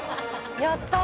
やったー！